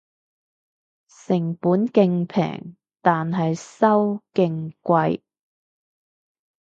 成本勁平但係收勁貴